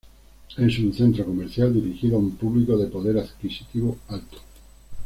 Es un centro comercial dirigido a un público de poder adquisitivo alto.